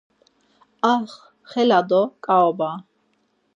Ax, xela do ǩaoba.